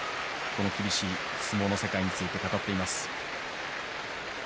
厳しい相撲の世界について語っています。